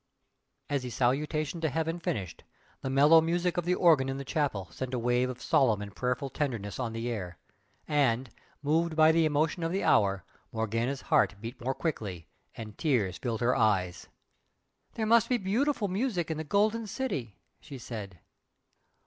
As the salutation to heaven finished, the mellow music of the organ in the chapel sent a wave of solemn and prayerful tenderness on the air, and, moved by the emotion of the hour, Morgana's heart beat more quickly and tears filled her eyes. "There must be beautiful music in the Golden City!" she said.